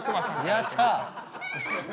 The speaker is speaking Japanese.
やった！